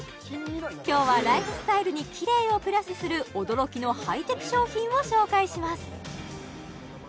今日はライフスタイルにキレイをプラスする驚きのハイテク商品を紹介します